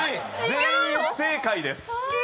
全員不正解です。